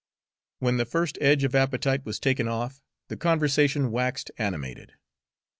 When the first edge of appetite was taken off, the conversation waxed animated.